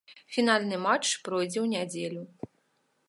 Фінальны матч пройдзе ў нядзелю.